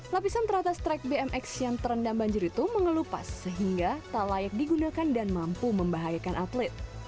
lapisan teratas track bmx yang terendam banjir itu mengelupas sehingga tak layak digunakan dan mampu membahayakan atlet